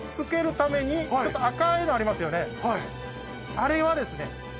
あれはですね。